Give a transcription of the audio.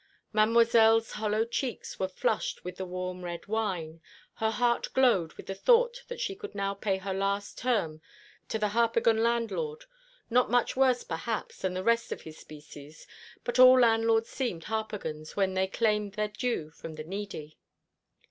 Mademoiselle's hollow cheeks were flushed with the warm red wine, her heart glowed with the thought that she could now pay her last term to the Harpagon landlord not much worse, perhaps, than the rest of his species, but all landlords seem Harpagons when they claim their due from the needy.